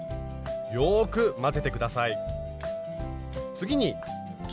よく混ぜて下さい。